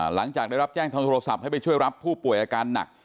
หลังจากได้รับแจ้งทางโทรศัพท์ให้ไปช่วยรับผู้ป่วยอาการหนัก